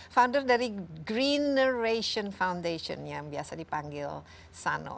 founder dari greeneration foundation yang biasa dipanggil sano